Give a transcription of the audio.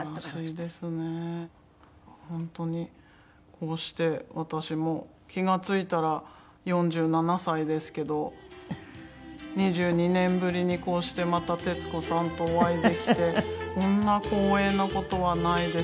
こうして私も気が付いたら４７歳ですけど２２年ぶりにこうしてまた徹子さんとお会いできてこんな光栄な事はないです。